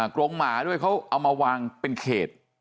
กรงหมาด้วยเขาเอามาวางเป็นเขต